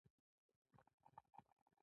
ورزش انسان روغ رمټ ساتي